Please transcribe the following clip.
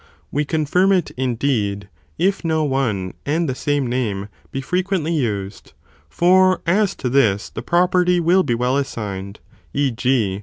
We confirm it, indeed, if no one and the same name be frequently used, for as to this the property will be well assigned, e.g.